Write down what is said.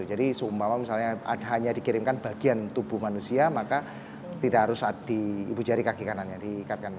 jadi seumpama misalnya hanya dikirimkan bagian tubuh manusia maka tidak harus di ibu jari kaki kanannya diikatkan